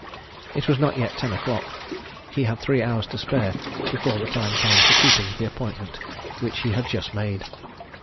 It was not yet ten o'clock he had three hours to spare before the time came for keeping the appointment which he had just made.